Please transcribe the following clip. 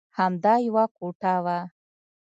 همدا یوه کوټه وه.